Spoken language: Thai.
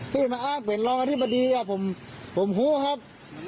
พี่มาอ้างเปลี่ยวลองอาทิบดีอ่ะผมผมหู้ครับ